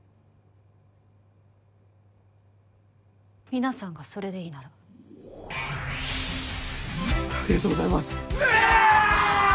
皆さんがそれでいいならありがとうございますうぇい！